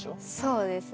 そうですね。